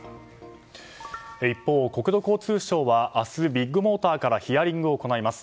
一方、国土交通省は明日、ビッグモーターからヒアリングを行います。